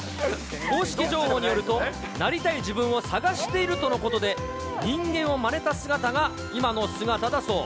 公式情報によると、なりたい自分を探しているとのことで、人間をまねた姿が今の姿だそう。